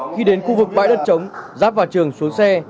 khi đến khu vực bãi đất trống giáp vào trường xuống xe